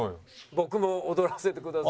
「僕も踊らせてください」。